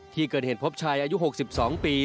ที่เกิดเหตุพบชายอายุ๖๒ปี